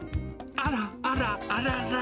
あら、あら、あらら。